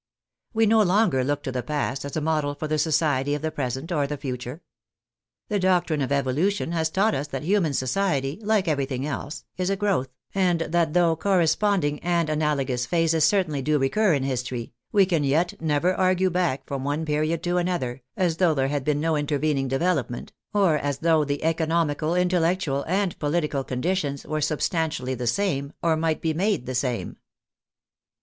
We no longer look to the past as a model for the society of the present or the future. The doctrine of evolution has taught us that human society, like everything else, is a growth, and that though corresponding and analogous phases certainly do recur in history, we can yet never argue back from one period to another, as though there had been no intervening development, or as though the economical, intellectual, and political conditions were sub stantially the same, or might be made the same.